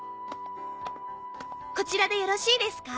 こちらでよろしいですか？